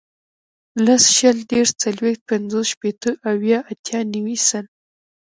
لس, شل, دېرس, څلوېښت, پنځوس, شپېته, اویا, اتیا, نوي, سل